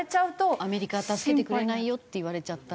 「アメリカは助けてくれないよ」って言われちゃったらね。